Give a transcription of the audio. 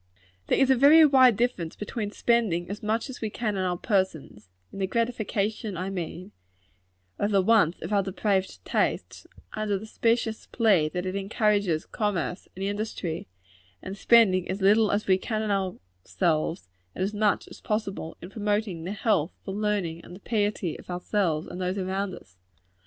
There is a very wide difference between spending as much as we can on our persons in the gratification, I mean, of the wants of our depraved tastes, under the specious plea that it encourages commerce and industry and spending as little as we can on ourselves, and as much as possible in promoting the health, the learning, and the piety of ourselves and those around us.